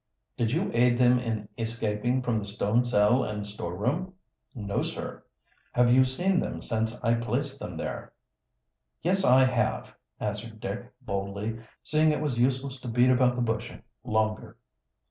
"Did you aid them in escaping from the stone cell and the storeroom?" "No, sir." "Have you seen them since I placed them there?" "Yes, I have," answered Dick boldly, seeing it was useless to beat about the bush longer.